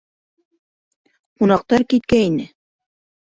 Ҡунаҡтар киткәйне.